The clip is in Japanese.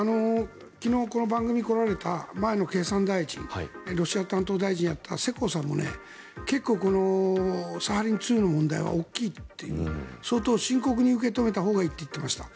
昨日、この番組に来られた前の経産大臣ロシア担当大臣をやった世耕さんも結構、サハリン２の問題は大きいという相当深刻に受け止めたほうがいいと言っていました。